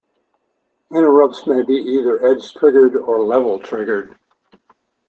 Interrupts may be either edge triggered or level triggered.